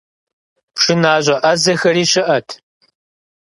ПшынащӀэ Ӏэзэхэри щыӀэт.